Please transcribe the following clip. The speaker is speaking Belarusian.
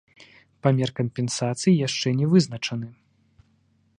Памер кампенсацыі яшчэ не вызначаны.